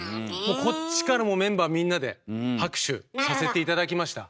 こっちからもメンバーみんなで拍手させて頂きました。